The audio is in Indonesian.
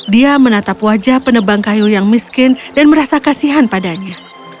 dia menatap wajah penebang kayu yang miskin dan merasa kasihan padanya